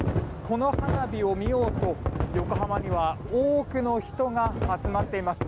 この花火を見ようと横浜には多くの人が集まっています。